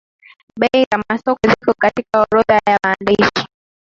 bei za masoko ziko katika orodha ya maandishi